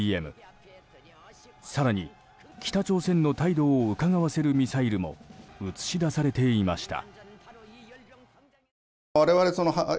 更に北朝鮮の態度をうかがわせるミサイルも映し出されていました。